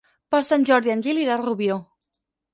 Per Sant Jordi en Gil irà a Rubió.